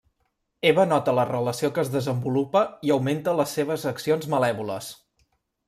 Eva nota la relació que es desenvolupa i augmenta les seves accions malèvoles.